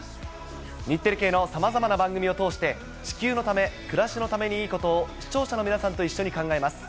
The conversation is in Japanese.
日テレ系のさまざまな番組を通して、地球のため、暮らしのために、いいことを視聴者の皆さんと一緒に考えます。